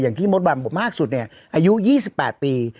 อย่างที่มดบับมากสุดเนี่ยอายุ๒๘ปี